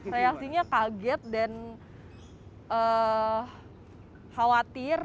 saya aslinya kaget dan khawatir